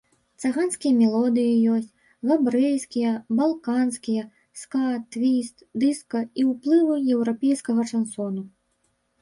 Цыганскія мелодыі ёсць, габрэйскія, балканскія, ска, твіст, дыска і ўплывы еўрапейскага шансону.